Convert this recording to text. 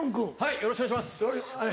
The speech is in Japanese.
よろしくお願いします。